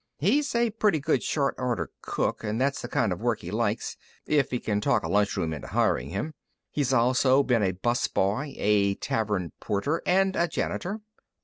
He's a pretty good short order cook, and that's the kind of work he likes, if he can talk a lunch room into hiring him. He's also been a bus boy, a tavern porter, and a janitor.